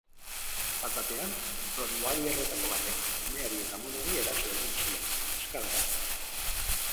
Bat-batean, rottweilerretako batek umeari eta amonari eraso egin zien, hozkadaka.